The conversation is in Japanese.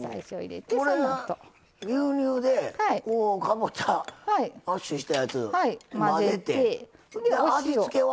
牛乳でかぼちゃマッシュしたやつ混ぜてで、味付けは？